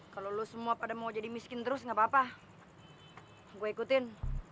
kalau lo semua pada mau jadi miskin terus gak apa apa gue ikutin